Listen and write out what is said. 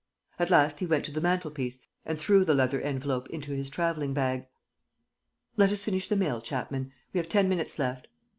At last he went to the mantelpiece and threw the leather envelope into his traveling bag: "Let us finish the mail, Chapman. We have ten minutes left.